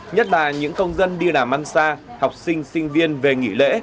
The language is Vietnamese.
nhất là những công dân đi làm ăn xa học sinh sinh viên về nghỉ lễ